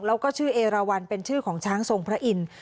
แล้วก็ชื่อเอราวันเป็นชื่อของช้างทรงพระอินทร์